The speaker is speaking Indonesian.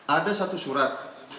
ada satu surat